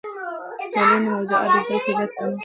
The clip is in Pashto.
د ټولنې موضوعات د زده کړې طبیعت ته عمق ورکوي.